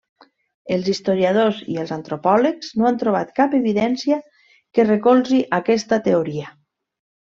Els historiadors i els antropòlegs no han trobat cap evidència que recolzi aquesta teoria.